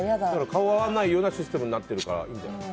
顔が合わないようなシステムになってるからいいんじゃない。